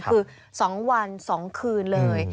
คือสองวันสองคืนเลย